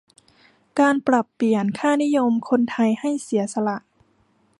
การปรับเปลี่ยนค่านิยมคนไทยให้เสียสละ